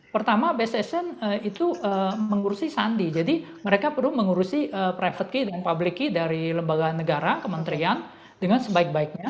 pertama bssn itu mengurusi sandi jadi mereka perlu mengurusi private key dan public kee dari lembaga negara kementerian dengan sebaik baiknya